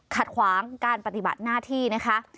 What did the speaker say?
ขัดขวางการปฏิบัติหน้าที่นะคะ